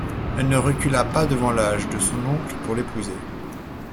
Elle ne recula pas devant l'âge de son oncle, pour l'épouser.